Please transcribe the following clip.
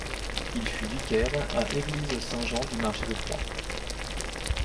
Il fut vicaire à Église Saint-Jean-du-Marché de Troyes.